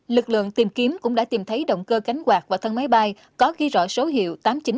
lực lượng tìm kiếm cũng đã tìm thấy động cơ cánh quạt và thân máy bay có ghi rõ số hiệu tám nghìn chín trăm tám mươi ba